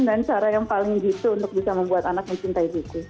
dan cara yang paling justru untuk bisa membuat anak mencintai buku